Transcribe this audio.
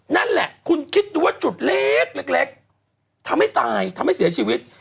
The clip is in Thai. นั่นแหละคุณคิดดูว่าจุดเล็กทำให้ตายทำให้เสียชีวิต